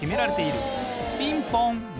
「ピンポン」は。